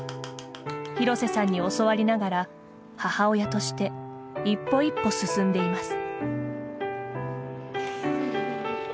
廣瀬さんに教わりながら母親として一歩一歩進んでいます。